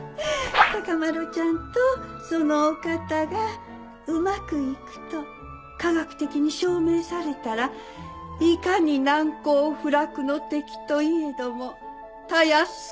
孝麿ちゃんとそのお方がうまくいくと科学的に証明されたらいかに難攻不落の敵といえどもたやすく攻め落とせましょう。